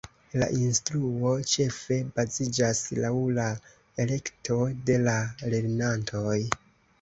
La instruo ĉefe baziĝas laŭ la elekto de la lernantoj.